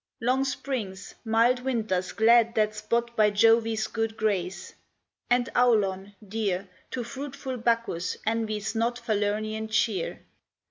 Long springs, mild winters glad that spot By Jove's good grace, and Aulon, dear To fruitful Bacchus, envies not Falernian cheer.